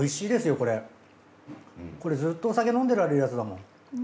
これずっとお酒飲んでいられるやつだもん。